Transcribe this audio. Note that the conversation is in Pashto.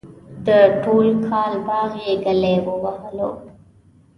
د ټول کال باغ یې گلی ووهلو.